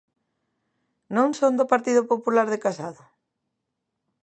¿Non son do Partido Popular de Casado?